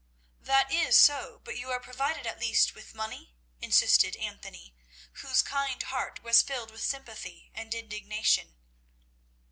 "That is so; but you are provided at least with money?" insisted Anthony, whose kind heart was filled with sympathy and indignation.